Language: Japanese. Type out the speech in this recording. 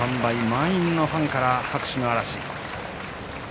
満員のファンから拍手の嵐。